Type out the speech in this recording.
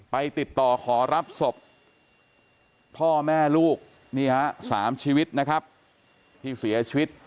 ไปติดต่อขอรับกษัตทธิ์ที่พ่อแม่ลูกนี้หา๓ชีวิตนะครับพี่เสียชีวิต